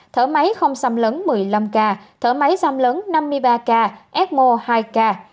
thở máy không xăm lấn một mươi năm ca thở máy xăm lấn năm mươi ba ca ecmo hai ca